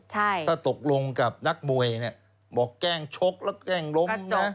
ถ้าตกลงกับนักมวยบอกแกล้งชกแล้วก็แกล้งล้ม